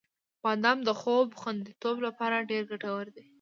• بادام د خوب خوندیتوب لپاره ډېر ګټور دی.